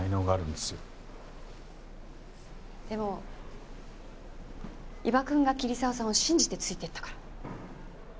でも伊庭くんが桐沢さんを信じてついていったから。